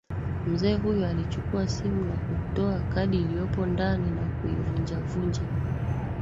Mzee huyo alichukua simu na kutoa kadi iliyopo ndani na kuivunja vunja